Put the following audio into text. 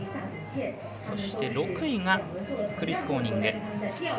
そして６位がクリス・コーニング。